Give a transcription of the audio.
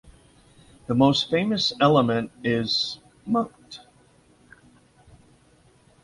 The most famous element is Mt.